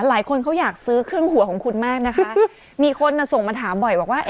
หลายคนเขาอยากซื้อเครื่องหัวของคุณมากนะคะมีคนส่งมาถามบ่อยบอกว่า